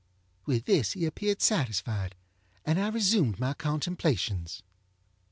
With this he appeared satisfied, and I resumed my contemplations.